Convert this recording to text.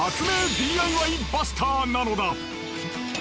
ＤＩＹバスターなのだ！